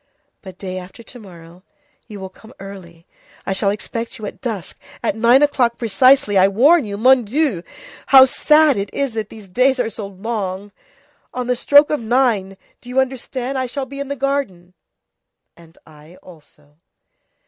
But day after to morrow you will come early. I shall expect you at dusk, at nine o'clock precisely, I warn you. Mon Dieu! how sad it is that the days are so long! On the stroke of nine, do you understand, I shall be in the garden." "And I also."